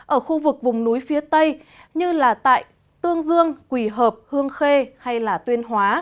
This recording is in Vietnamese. ở khu vực vùng núi phía tây như là tại tương dương quỳ hợp hương khê hay tuyên hóa